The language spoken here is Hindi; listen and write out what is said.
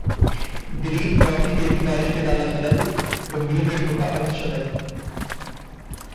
दिलीप ट्रॉफी में भी बारिश ने डाला खलल, गंभीर ने ठोका अर्धशतक